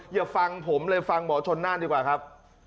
อย่าฟังผมเลยฟังหมอชนน่านดีกว่าครับ